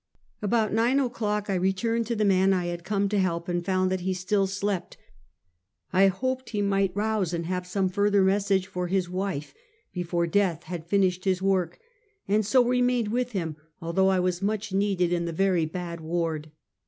About nine o'clock I returned to the man I liad come to help, and found that he still slept. I hoped he might rouse and have some further message for his wife, before death had finished his work, and so re mained with him, although I was much needed in the "very bad ward."